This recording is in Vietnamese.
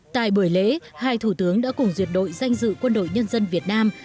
tại buổi lễ hai thủ tướng đã cùng duyệt đội danh dự quân đội nhân dân việt nam